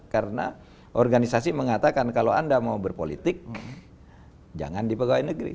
karena organisasi mengatakan kalau anda mau berpolitik jangan di pegawai negeri